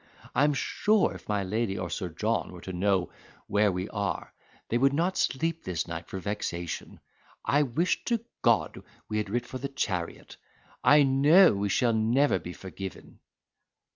I am sure if my lady or Sir John were to know where we are they would not sleep this night for vexation. I wish to God we had writ for the chariot; I know we shall never be forgiven."